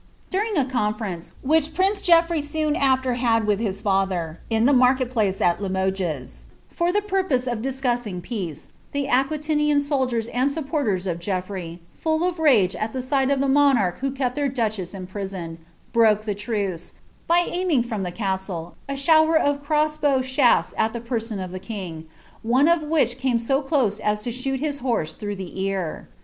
Ing a conference which prince Geoflrey soon after had with htK in the marhet place at Limoges, for the purpose of discussing the Aquitatiian soldiers and suriporters of Geot^ey, full of rage at kl of the monarch who kept uieir duchess imprisoned, broke the by atniiiig from the castle a shower of cross bow shaiis at the nf ihe king, one of which came so close as to shoot his liorse ii'Fiijh tlie eitr.